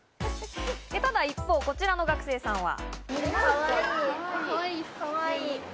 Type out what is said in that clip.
ただ、一方、こちらの学生さんは。